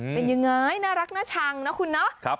เป็นยังไงน่ารักน่าชังนะคุณเนาะ